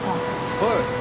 はい。